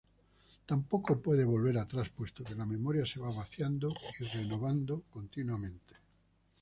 Tampoco puede volver atrás, puesto que la memoria se va vaciando y renovando continuamente.